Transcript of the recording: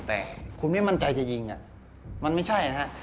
แต่คุณไม่มั่นใจจะยิงมันไม่ใช่นะฮะ